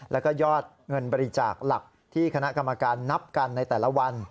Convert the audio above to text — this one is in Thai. แล้วก็ยอดเงินบริจาคหลักที่คณะกรรมการนับกันในแต่ละวัน